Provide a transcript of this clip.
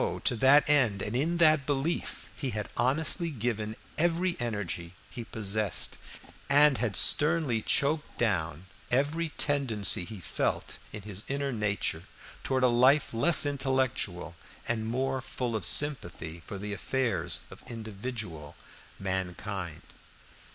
To that end and in that belief he had honestly given every energy he possessed, and had sternly choked down every tendency he felt in his inner nature toward a life less intellectual and more full of sympathy for the affairs of individual mankind.